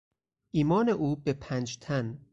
ایمان او به پنجتن